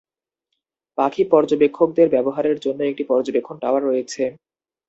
পাখি পর্যবেক্ষকদের ব্যবহারের জন্য একটি পর্যবেক্ষণ টাওয়ার রয়েছে।